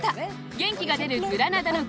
元気が出るグラナダのグルメ。